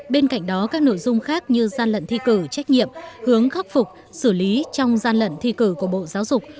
bên cạnh đó các nội dung khác như gian lận thi cử trách nhiệm hướng khắc phục xử lý trong gian lận thi cử của bộ giáo dục